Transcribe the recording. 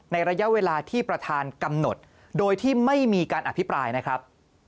ระยะเวลาที่ประธานกำหนดโดยที่ไม่มีการอภิปรายนะครับ